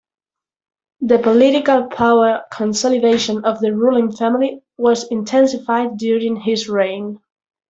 The political power consolidation of the ruling family was intensified during his reign.